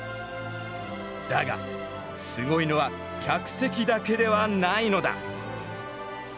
だがすごいのは客席だけではないのだ。